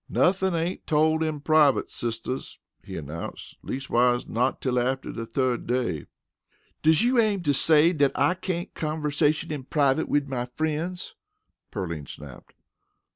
"Nothin' ain't told in privut, sisters," he announced. "Leastwise, not till after de third day." "Does you aim to say dat I cain't conversation in privut wid my frien's?" Pearline snapped.